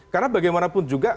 karena bagaimanapun juga